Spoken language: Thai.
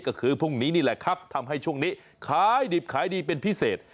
ก็คือพรุ่งนี้นี่แหละครับทำให้ช่วงนี้ขายดิบขายดีเป็นพิเศษ